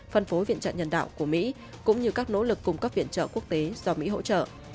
phân phối viện trợ nhân đạo của mỹ cũng như các nỗ lực cung cấp viện trợ quốc tế do mỹ hỗ trợ